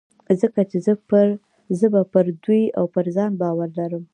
ځکه چې زه به پر دوی او پر ځان باور ولرم.